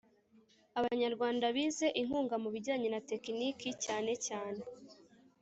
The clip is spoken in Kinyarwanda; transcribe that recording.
Abanyarwanda bize inkuga mu bijyanye na tekiniki cyanecyane